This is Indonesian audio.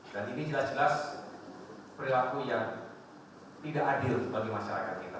dan ini jelas jelas perilaku yang tidak adil bagi masyarakat kita